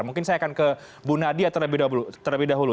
mungkin saya akan ke bu nadia terlebih dahulu